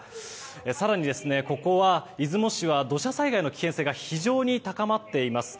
更に、ここ出雲市は土砂災害の危険性が非常に高まっています。